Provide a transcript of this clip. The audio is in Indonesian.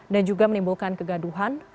dan juga menimbulkan kegaduhan